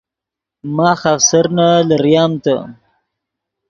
ماخ آفسرنے لریم تے